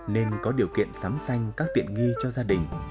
nên có điều kiện sắm xanh các tiện nghi cho gia đình